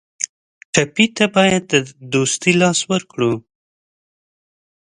ټپي ته باید د دوستۍ لاس ورکړو.